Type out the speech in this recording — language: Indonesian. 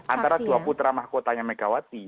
antara dua putra mahkotanya megawati